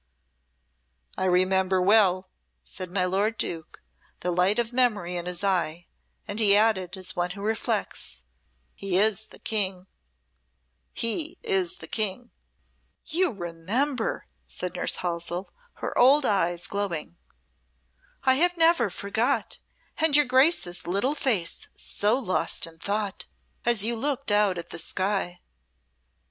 "I remember well," said my lord Duke, the light of memory in his eye, and he added, as one who reflects, "He is the King he is the King!" "You remember!" said Nurse Halsell, her old eyes glowing. "I have never forgot, and your Grace's little face so lost in thought, as you looked out at the sky."